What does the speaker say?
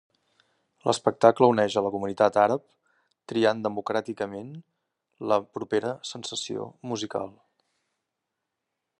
L'espectacle uneix a la comunitat àrab triant democràticament la propera sensació musical.